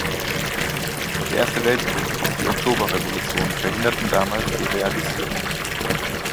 Der Erste Weltkrieg und die Oktoberrevolution verhinderten damals die Realisierung.